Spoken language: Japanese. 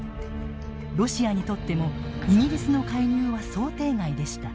ロシアにとってもイギリスの介入は想定外でした。